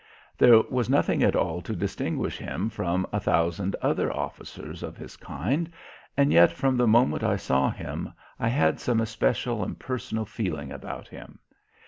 There was nothing at all to distinguish him from a thousand other officers of his kind, and yet from the moment I saw him I had some especial and personal feeling about him.